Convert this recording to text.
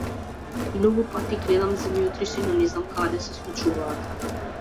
Многу пати гледам земјотреси, но не знам каде се случуваат.